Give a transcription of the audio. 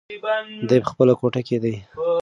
دی په خپله کوټه کې دی.